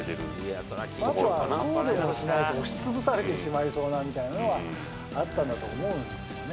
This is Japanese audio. そうでもしないと押しつぶされてしまいそうなのはあったんだと思うんですよね。